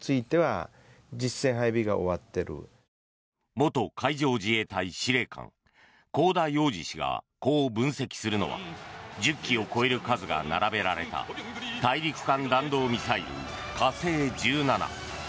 元海上自衛隊司令官香田洋二氏がこう分析するのは１０基を超える数が並べられた大陸間弾道ミサイル、火星１７。